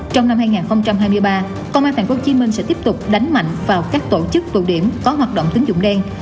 trong năm hai nghìn hai mươi ba công an phạm phong chí minh sẽ tiếp tục đánh mạnh vào các tổ chức tụ điểm có hoạt động tính dụng đen